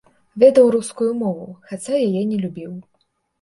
Ведаў рускую мову, хаця яе не любіў.